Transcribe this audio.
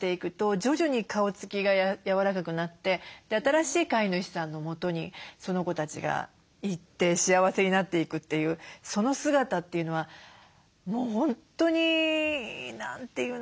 徐々に顔つきが柔らかくなって新しい飼い主さんのもとにその子たちが行って幸せになっていくというその姿というのはもう本当に何て言うのかな